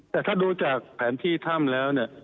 แต่ถ้าดูจากแผนที่ถ้ำแล้วเนี่ย